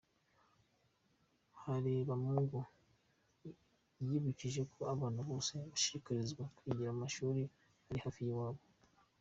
Haremabungu yibukije ko abana bose bashishikarizwa kwigira mu mashuri ari hafi y’iwabo.